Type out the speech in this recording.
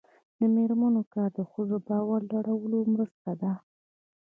د میرمنو کار د ښځو باور لوړولو مرسته ده.